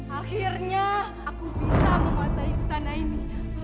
akhirnya aku bisa menguasai istana ini